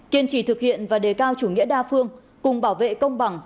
kiên trì thực hiện và đề cao chủ nghĩa đa phương cùng bảo vệ công bằng